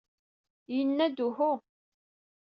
Yenna-d uhu.